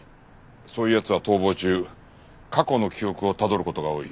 そういう奴は逃亡中過去の記憶をたどる事が多い。